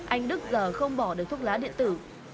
anh đức giờ không bỏ được thuốc lá điện tử